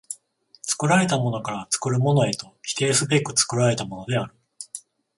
作られたものから作るものへと否定すべく作られたものである。